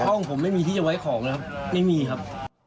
ห้องผมไม่มีที่จะไว้ของนะครับไม่มีครับ